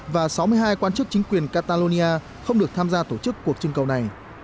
và sáu mươi hai quan chức chính quyền catalonia không được tham gia tổ chức cuộc trưng cầu này